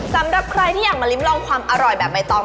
สำหรับใครที่อยากมาลิ้มลองความอร่อยแบบใบตอง